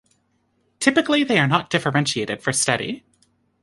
Typically they are not differentiated for study.